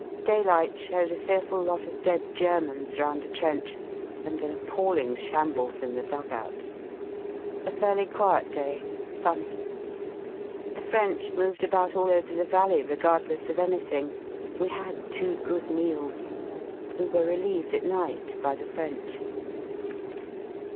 Daylight showed a fearful lot of dead Germans round the trench and an appalling shambles in the dug outs. A fairly quiet day, sunny. The French moved about all over the valley regardless of anything. We had two good meals. We were relieved at night by the French.